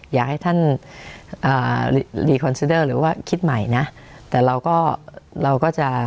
อยากให้ท่านอ่าหรือว่าคิดใหม่นะแต่เราก็เราก็จะ